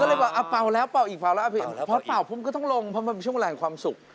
ก็เลยบอกเอาเป่าแล้วเป่าอีกเป่าแล้วพอเป่าปุ๊บก็ต้องลงเพราะมันเป็นช่วงแรงความสุข